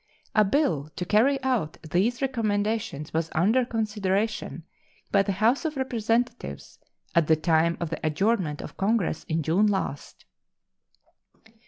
A bill to carry out these recommendations was under consideration by the House of Representatives at the time of the adjournment of Congress in June last.